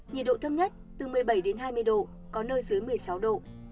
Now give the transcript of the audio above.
nhiệt độ thấp nhất từ một mươi bảy đến hai mươi độ có nơi dưới một mươi sáu độ